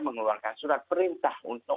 mengeluarkan surat perintah untuk